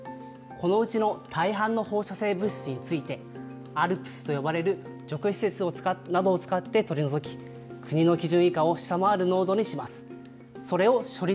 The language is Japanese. このうちの大半の放射性物質について、ＡＬＰＳと呼ばれる除去施設などを使って取り除き、国の基準以下を下回る濃度にします。